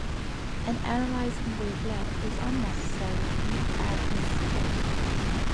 An analyzing wavelet is unnecessary to be admissible.